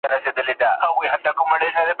کورنۍ چمتووالی نیولی و.